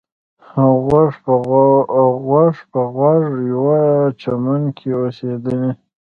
غوږ په غوږ یوه چمن کې اوسېدلې.